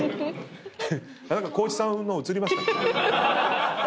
光一さんのうつりました？